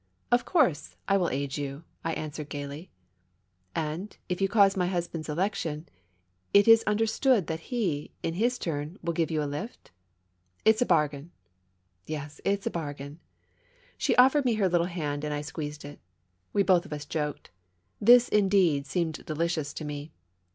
"Of course, I will aid you!" I answered, gayly. " And, if you cause my husband's election, it is under stood that he, in his turn, will give you a lift ?"" It's a bargain I " "Yes, it's a bargain I " She offered me her little hand and I squeezed it. We both of us joked. This, indeed, seemed delicious to me.